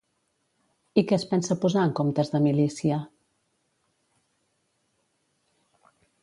I què es pensa posar en comptes de milícia?